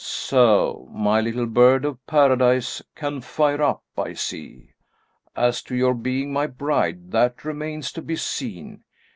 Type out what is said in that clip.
"So my little bird of paradise can fire up, I see! As to your being my bride, that remains to be seen.